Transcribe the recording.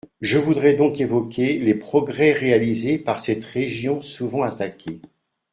Je voudrais donc évoquer les progrès réalisés par cette région souvent attaquée.